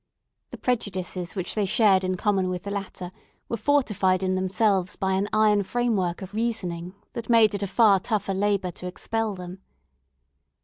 The prejudices which they shared in common with the latter were fortified in themselves by an iron frame work of reasoning, that made it a far tougher labour to expel them.